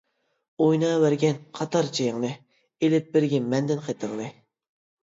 ئويناۋەرگىن قاتار چېيىڭنى، ئېلىپ بىرگە مەندىن خېتىڭنى.